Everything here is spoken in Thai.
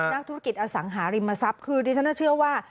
นักธุรกิจอสังหาริมทรัพย์คือดิฉันเชื่อว่า